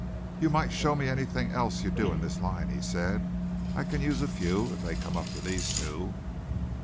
"You might show me anything else you do in this line," he said. "I can use a few if they come up to these two."